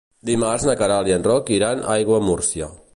Dimarts na Queralt i en Roc iran a Aiguamúrcia.